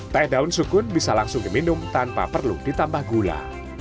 teh daun sukun bisa langsung diminum tanpa perlu ditambah gula